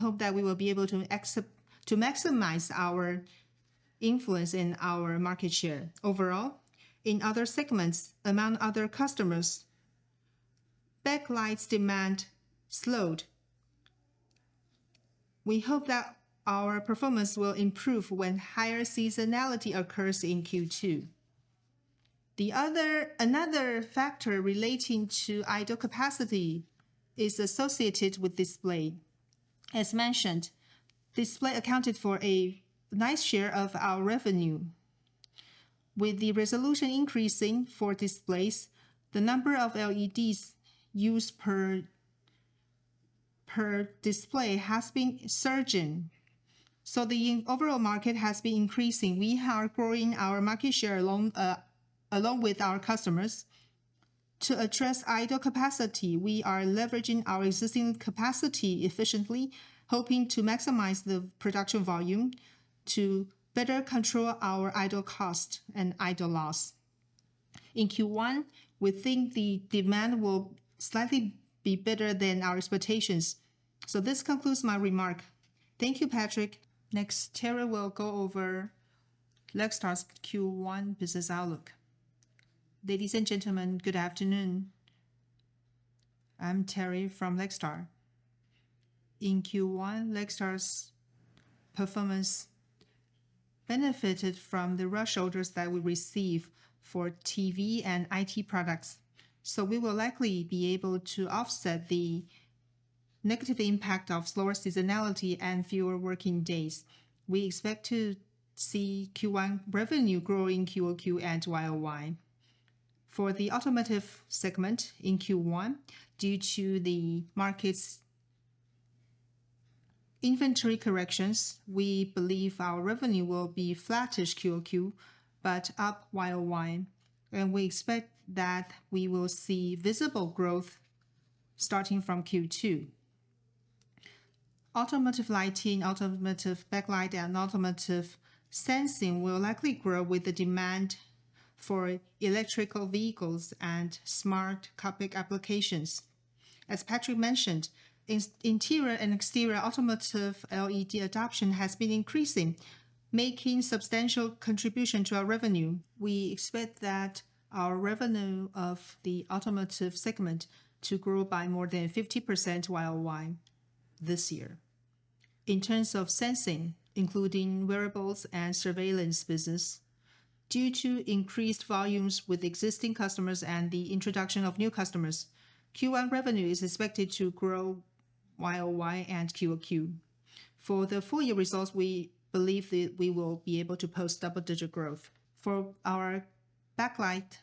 Hope that we will be able to maximize our influence in our market share overall. In other segments, among other customers, backlight demand slowed. We hope that our performance will improve when higher seasonality occurs in Q2. The other factor relating to idle capacity is associated with display. As mentioned, display accounted for a nice share of our revenue. With the resolution increasing for displays, the number of LEDs used per display has been surging. So the overall market has been increasing. We are growing our market share along with our customers. To address idle capacity, we are leveraging our existing capacity efficiently, hoping to maximize the production volume to better control our idle costs and idle loss. In Q1, we think the demand will slightly be better than our expectations. So this concludes my remark. Thank you, Patrick. Next, Terry will go over Lextar's Q1 business outlook. Ladies and gentlemen, good afternoon. I'm Terry from Lextar. In Q1, Lextar's performance benefited from the rush orders that we received for TV and IT products. So we will likely be able to offset the negative impact of slower seasonality and fewer working days. We expect to see Q1 revenue grow in q-o-q and y-o-y. For the automotive segment in Q1, due to the market's inventory corrections, we believe our revenue will be flattish q-o-q but up y-o-y. And we expect that we will see visible growth starting from Q2. Automotive lighting, automotive backlight, and automotive sensing will likely grow with the demand for electric vehicles and smart cockpit applications. As Patrick mentioned, interior and exterior automotive LED adoption has been increasing, making a substantial contribution to our revenue. We expect that our revenue of the automotive segment to grow by more than 50% y-o-y this year. In terms of sensing, including wearables and surveillance business, due to increased volumes with existing customers and the introduction of new customers, Q1 revenue is expected to grow y-o-y and q-o-q. For the full-year results, we believe that we will be able to post double-digit growth. For our backlight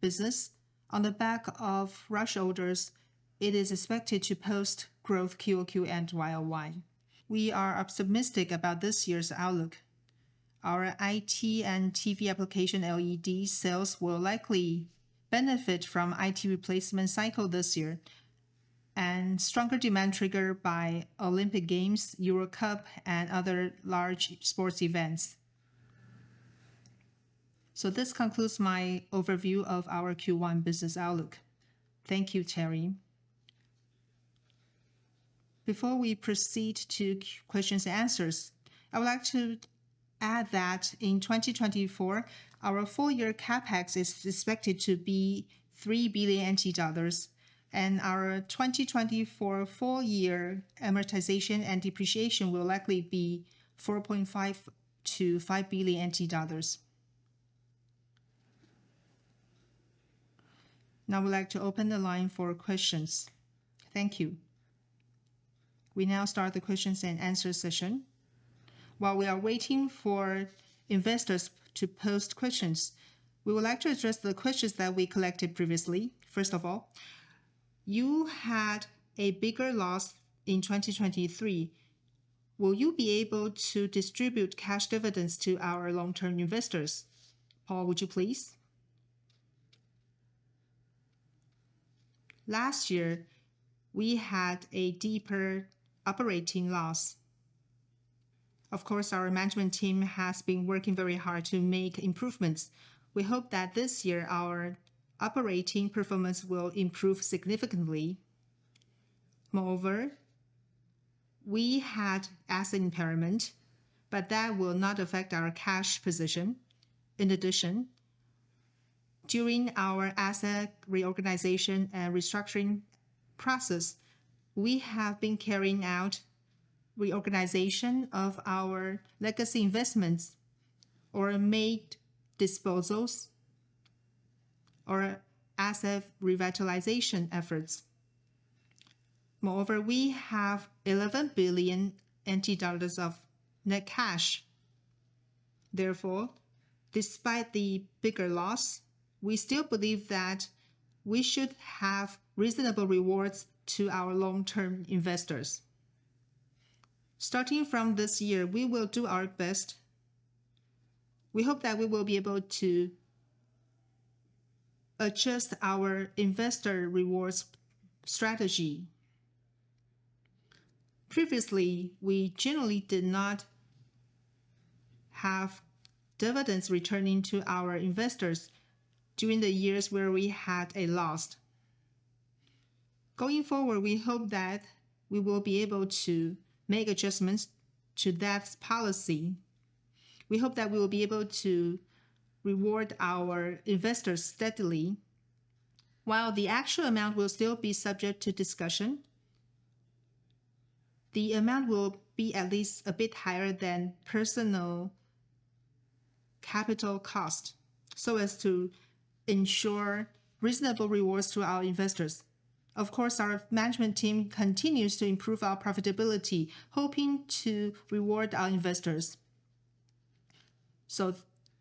business, on the back of rush orders, it is expected to post growth q-o-q and y-o-y. We are optimistic about this year's outlook. Our IT and TV application LED sales will likely benefit from the IT replacement cycle this year and stronger demand triggered by Olympic Games, Euro Cup, and other large sports events. So this concludes my overview of our Q1 business outlook. Thank you, Terry. Before we proceed to questions and answers, I would like to add that in 2024, our full-year CapEx is expected to be 3 billion NT dollars, and our 2024 full-year amortization and depreciation will likely be 4.5 billion-5 billion NT dollars. Now, I would like to open the line for questions. Thank you. We now start the questions and answer session. While we are waiting for investors to post questions, we would like to address the questions that we collected previously. First of all, you had a bigger loss in 2023. Will you be able to distribute cash dividends to our long-term investors? Paul, would you please? Last year, we had a deeper operating loss. Of course, our management team has been working very hard to make improvements. We hope that this year our operating performance will improve significantly. Moreover, we had asset impairment, but that will not affect our cash position. In addition, during our asset reorganization and restructuring process, we have been carrying out reorganization of our legacy investments or made disposals or asset revitalization efforts. Moreover, we have 11 billion NT dollars of net cash. Therefore, despite the bigger loss, we still believe that we should have reasonable rewards to our long-term investors. Starting from this year, we will do our best. We hope that we will be able to adjust our investor rewards strategy. Previously, we generally did not have dividends returning to our investors during the years where we had a loss. Going forward, we hope that we will be able to make adjustments to that policy. We hope that we will be able to reward our investors steadily. While the actual amount will still be subject to discussion, the amount will be at least a bit higher than personal capital cost so as to ensure reasonable rewards to our investors. Of course, our management team continues to improve our profitability, hoping to reward our investors. So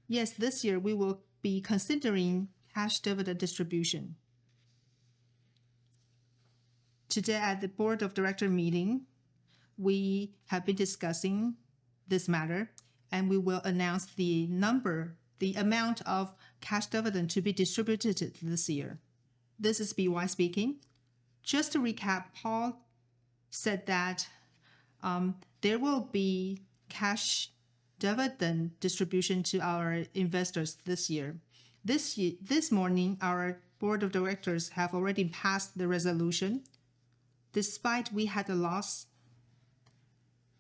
yes, this year, we will be considering cash dividend distribution. Today, at the board of directors meeting, we have been discussing this matter, and we will announce the number, the amount of cash dividend to be distributed this year. This is B.Y. speaking. Just to recap, Paul said that there will be cash dividend distribution to our investors this year. This morning, our board of directors have already passed the resolution. Despite we had a loss,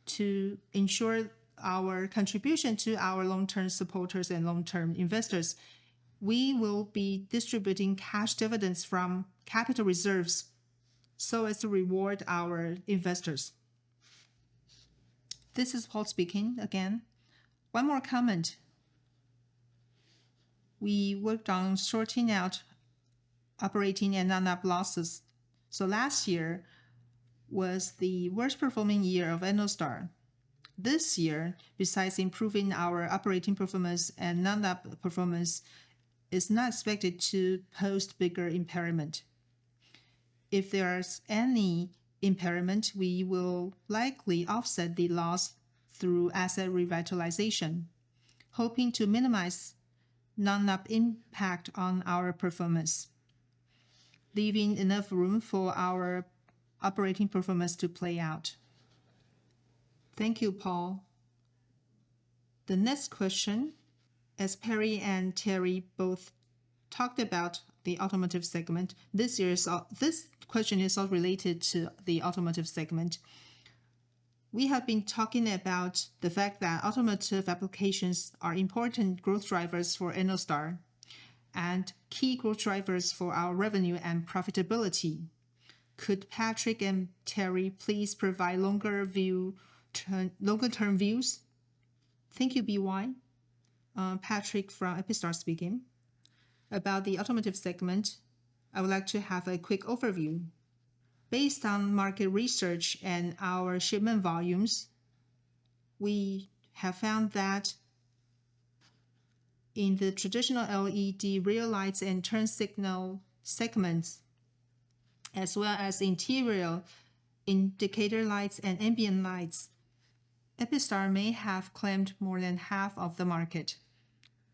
to ensure our contribution to our long-term supporters and long-term investors, we will be distributing cash dividends from capital reserves so as to reward our investors. This is Paul speaking again. One more comment. We worked on sorting out operating and non-op losses. So last year was the worst performing year of Ennostar. This year, besides improving our operating performance and non-op performance, is not expected to post bigger impairment. If there is any impairment, we will likely offset the loss through asset revitalization, hoping to minimize non-op impact on our performance, leaving enough room for our operating performance to play out. Thank you, Paul. The next question, as Patrick and Terry both talked about the automotive segment, this question is all related to the automotive segment. We have been talking about the fact that automotive applications are important growth drivers for Ennostar and key growth drivers for our revenue and profitability. Could Patrick and Terry please provide longer-term views? Thank you, BY. Patrick from Epistar speaking. About the automotive segment, I would like to have a quick overview. Based on market research and our shipment volumes, we have found that in the traditional LED rear lights and turn signal segments, as well as interior indicator lights and ambient lights, Epistar may have claimed more than half of the market.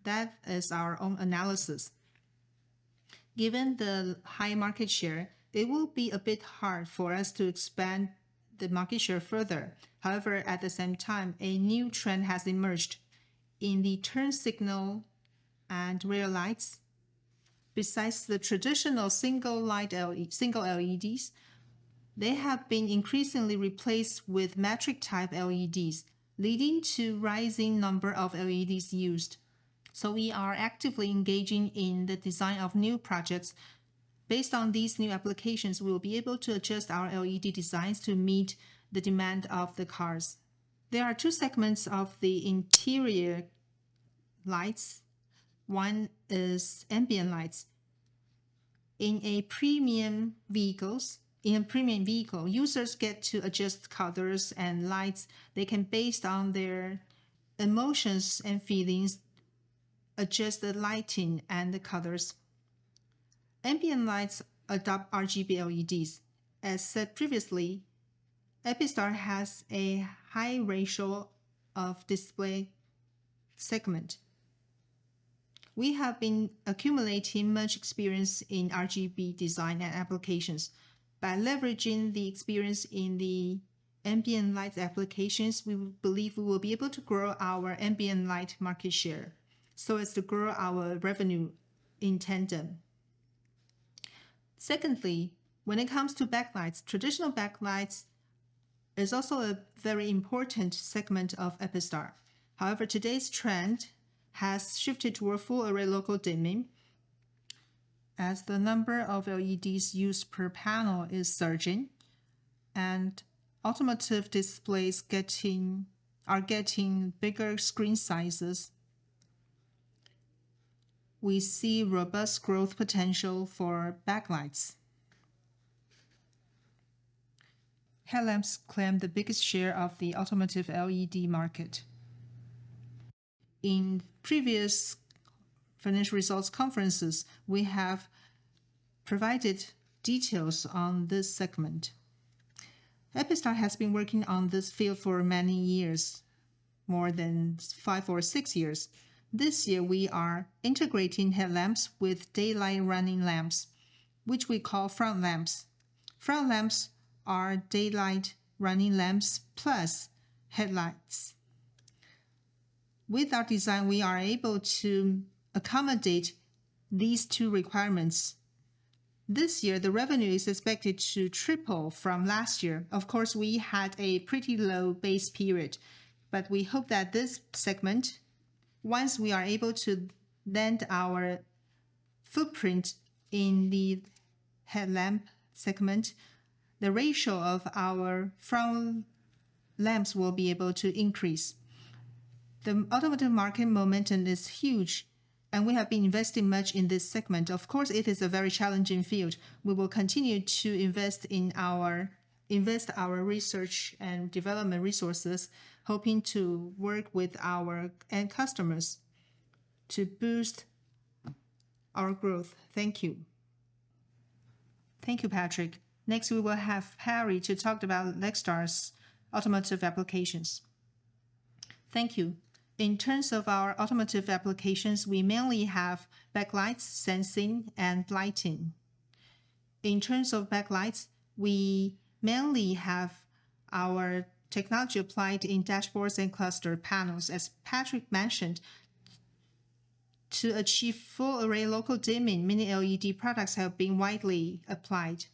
That is our own analysis. Given the high market share, it will be a bit hard for us to expand the market share further. However, at the same time, a new trend has emerged in the turn signal and rear lights. Besides the traditional single LEDs, they have been increasingly replaced with Matrix LEDs, leading to a rising number of LEDs used. So we are actively engaging in the design of new projects. Based on these new applications, we will be able to adjust our LED designs to meet the demand of the cars. There are two segments of the interior lights. One is ambient lights. In a premium vehicle, users get to adjust colors and lights. They can, based on their emotions and feelings, adjust the lighting and the colors. Ambient lights adopt RGB LEDs. As said previously, Epistar has a high ratio of display segment. We have been accumulating much experience in RGB design and applications. By leveraging the experience in the ambient lights applications, we believe we will be able to grow our ambient light market share so as to grow our revenue in tandem. Secondly, when it comes to backlights, traditional backlights is also a very important segment of Epistar. However, today's trend has shifted toward full array local dimming as the number of LEDs used per panel is surging and automotive displays are getting bigger screen sizes. We see robust growth potential for backlights. Headlamps claim the biggest share of the automotive LED market. In previous financial results conferences, we have provided details on this segment. Epistar has been working on this field for many years, more than five or six years. This year, we are integrating headlamps with daytime running lamps, which we call front lamps. Front lamps are daytime running lamps plus headlights. With our design, we are able to accommodate these two requirements. This year, the revenue is expected to triple from last year. Of course, we had a pretty low base period, but we hope that this segment, once we are able to land our footprint in the headlamp segment, the ratio of our front lamps will be able to increase. The automotive market momentum is huge, and we have been investing much in this segment. Of course, it is a very challenging field. We will continue to invest in our research and development resources, hoping to work with our end customers to boost our growth. Thank you. Thank you, Patrick. Next, we will have Perry to talk about Lextar's automotive applications. Thank you. In terms of our automotive applications, we mainly have backlights, sensing, and lighting. In terms of backlights, we mainly have our technology applied in dashboards and cluster panels. As Patrick mentioned, to achieve full array local dimming, many LED products have been widely applied.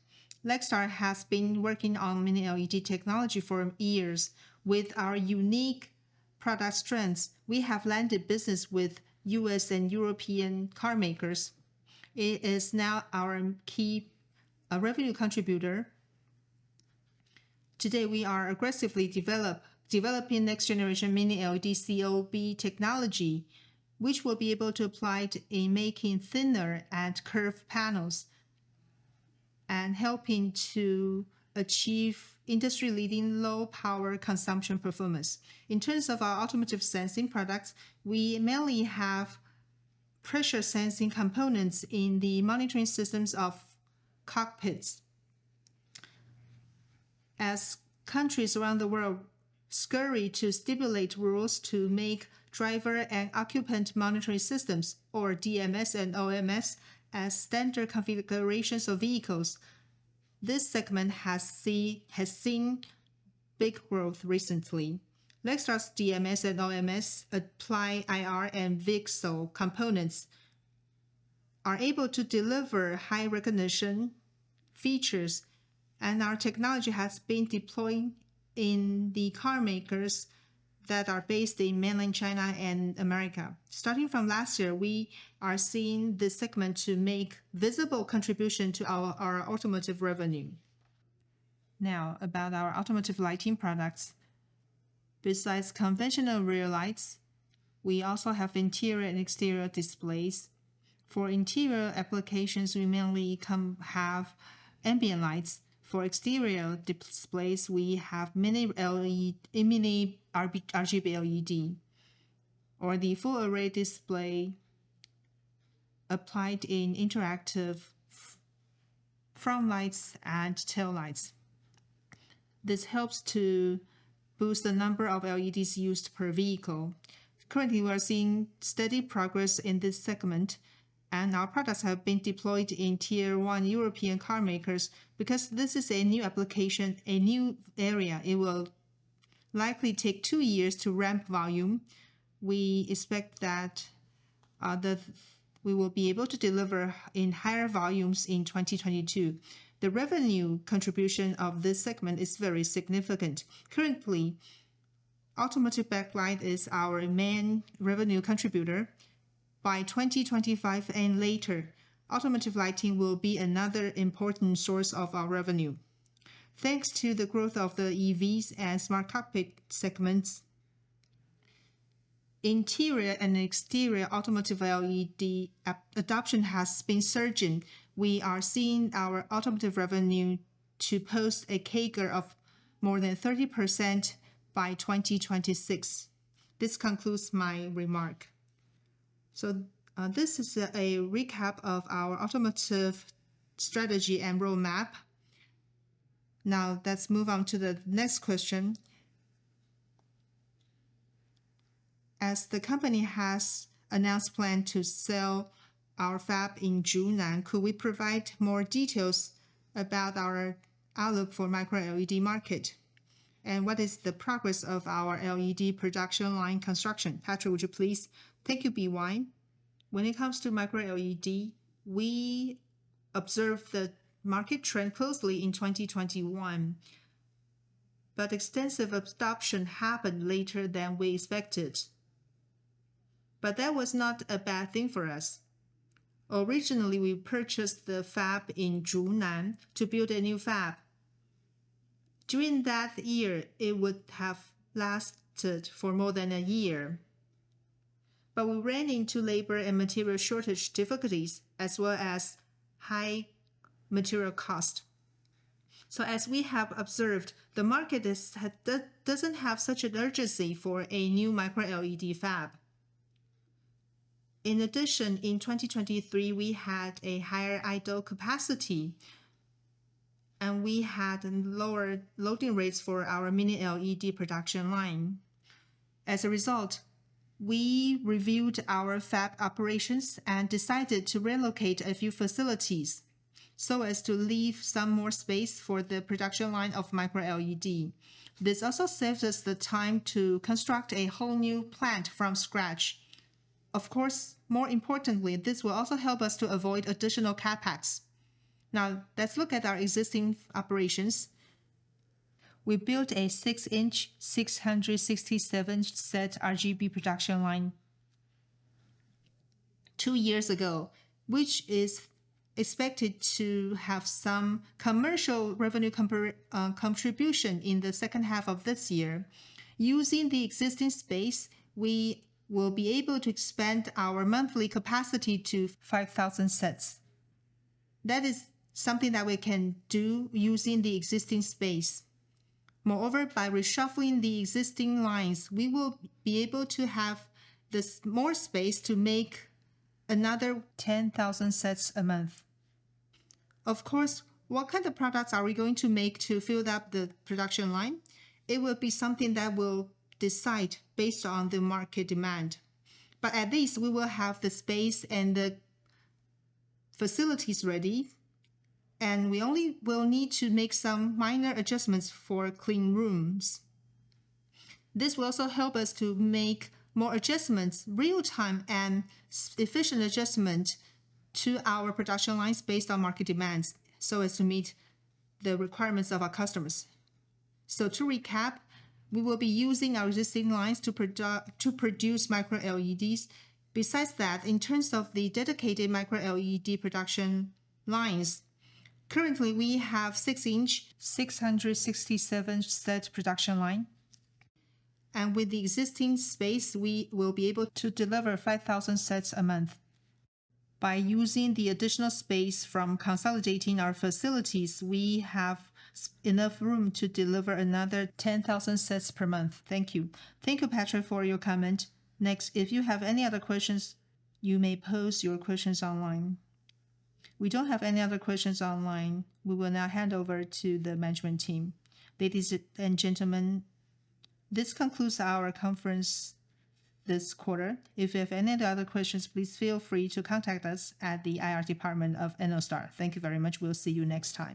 Lextar has been working on many LED technology for years with our unique product strengths. We have landed business with U.S. and European car makers. It is now our key revenue contributor. Today, we are aggressively developing next-generation Mini LED COB technology, which will be able to apply to making thinner and curved panels and helping to achieve industry-leading low-power consumption performance. In terms of our automotive sensing products, we mainly have pressure sensing components in the monitoring systems of cockpits. As countries around the world scurry to stipulate rules to make driver and occupant monitoring systems, or DMS and OMS, as standard configurations of vehicles, this segment has seen big growth recently. Lextar's DMS and OMS apply IR and VCSEL components, are able to deliver high recognition features, and our technology has been deployed in the car makers that are based in mainland China and America. Starting from last year, we are seeing this segment to make a visible contribution to our automotive revenue. Now, about our automotive lighting products. Besides conventional rear lights, we also have interior and exterior displays. For interior applications, we mainly have ambient lights. For exterior displays, we have many mini RGB LEDs or the full array display applied in interactive front lights and tail lights. This helps to boost the number of LEDs used per vehicle. Currently, we are seeing steady progress in this segment, and our products have been deployed in tier one European car makers. Because this is a new application, a new area, it will likely take two years to ramp volume. We expect that we will be able to deliver in higher volumes in uncertain. The revenue contribution of this segment is very significant. Currently, automotive backlight is our main revenue contributor. By 2025 and later, automotive lighting will be another important source of our revenue. Thanks to the growth of the EVs and smart cockpit segments, interior and exterior automotive LED adoption has been surging. We are seeing our automotive revenue to post a CAGR of more than 30% by 2026. This concludes my remark, so this is a recap of our automotive strategy and roadmap. Now, let's move on to the next question. As the company has announced a plan to sell our fab in Zhunan, could we provide more details about our outlook for the Micro LED market and what is the progress of our LED production line construction? Patrick, would you please? Thank you, BY. When it comes to Micro LED, we observed the market trend closely in 2021, but extensive adoption happened later than we expected. But that was not a bad thing for us. Originally, we purchased the fab in Zhunan to build a new fab. During that year, it would have lasted for more than a year. But we ran into labor and material shortage difficulties, as well as high material cost. So as we have observed, the market doesn't have such an urgency for a new Micro LED fab. In addition, in 2023, we had a higher idle capacity, and we had lower loading rates for our Mini LED production line. As a result, we reviewed our fab operations and decided to relocate a few facilities so as to leave some more space for the production line of Micro LED. This also saved us the time to construct a whole new plant from scratch. Of course, more importantly, this will also help us to avoid additional CapEx. Now, let's look at our existing operations. We built a 6-inch uncertain RGB production line two years ago, which is expected to have some commercial revenue contribution in the second half of this year. Using the existing space, we will be able to expand our monthly capacity to 5,000 sets. That is something that we can do using the existing space. Moreover, by reshuffling the existing lines, we will be able to have more space to make another 10,000 sets a month. Of course, what kind of products are we going to make to fill up the production line? It will be something that we'll decide based on the market demand. But at least we will have the space and the facilities ready, and we only will need to make some minor adjustments for clean rooms. This will also help us to make more adjustments, real-time and efficient adjustments to our production lines based on market demands so as to meet the requirements of our customers. So to recap, we will be using our existing lines to produce Micro LEDs. Besides that, in terms of the dedicated Micro LED production lines, currently we have 6-inch 667-set production line. And with the existing space, we will be able to deliver 5,000 sets a month. By using the additional space from consolidating our facilities, we have enough room to deliver another 10,000 sets per month. Thank you. Thank you, Patrick, for your comment. Next, if you have any other questions, you may post your questions online. We don't have any other questions online. We will now hand over to the management team. Ladies and gentlemen, this concludes our conference this quarter. If you have any other questions, please feel free to contact us at the IR Department of Ennostar. Thank you very much. We'll see you next time.